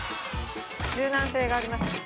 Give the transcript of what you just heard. ◆柔軟性があります。